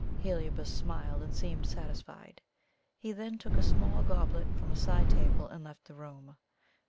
Heliobas smiled and seemed satisfied. He then took a small goblet from a side table and left the room.